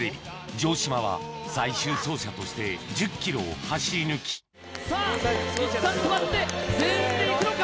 城島は最終走者として１０ｋｍを走り抜きさぁいったん止まって全員で行くのか？